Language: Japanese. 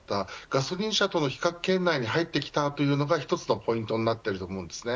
ガソリン車との比較圏内に入ってきたというのが、一つのポイントになっていると思います。